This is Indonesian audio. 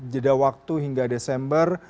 jeda waktu hingga desember